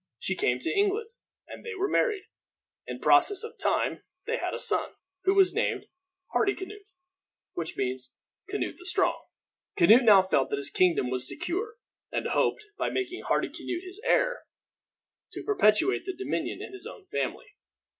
She came to England, and they were married. In process of time they had a son, who was named Hardicanute, which means Canute the strong. Canute now felt that his kingdom was secure; and he hoped, by making Hardicanute his heir, to perpetuate the dominion in his own family.